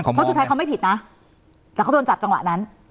เพราะสุดท้ายเขาไม่ผิดนะแต่เขาโดนจับจังหวะนั้น